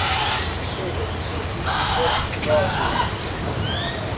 Chega de burrice com imóveis